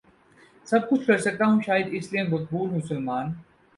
سب کچھ کرسکتا ہوں شاید اس لیے مقبول ہوں سلمان